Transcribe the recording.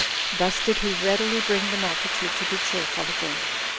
Thus did he readily bring the multitude to be cheerful again.